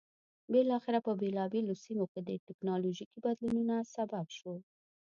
بالاخره په بېلابېلو سیمو کې د ټکنالوژیکي بدلونونو سبب شو.